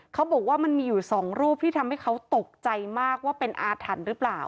เขาบอกว่ามันมีอยู่สองรูปที่ทำให้เขาตกใจมากว่าเป็นอาถรรพ์หรือเปล่า